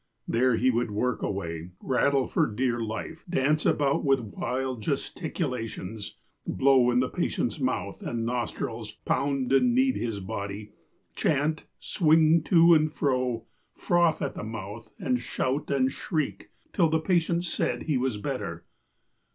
There he would work away, rattle for dear life, dance about with wild gesticu lations, blow in the patient's mouth and nostrils, pound and knead his body, chant, swing to and fro, froth at the mouth, and shout and shriek, till the patient said he was ' The literal translation of this word is: "The blower.''